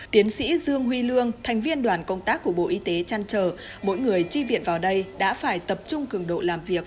tiến sĩ dương huy lương thành viên đoàn công tác của bộ y tế chăn trở mỗi người tri viện vào đây đã phải tập trung cường độ làm việc